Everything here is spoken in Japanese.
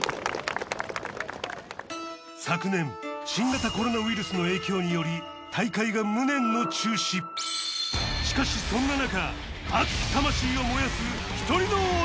昨年新型コロナウイルスの影響により大会が無念の中止しかしそんな中